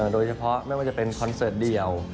โดยเฉพาะไม่ว่าจะเป็นคอนเสิร์ตเดียว